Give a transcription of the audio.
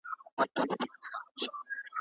شاه عباس سدو ته د مير افغان لقب ورکړی و.